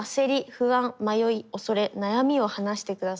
不安迷い恐れ悩みを話してください」。